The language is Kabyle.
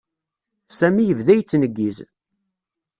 Sami yebda yettneggiz.